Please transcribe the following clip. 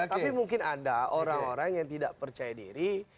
tapi mungkin ada orang orang yang tidak percaya diri